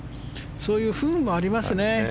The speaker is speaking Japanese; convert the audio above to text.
そういう不運もありますね。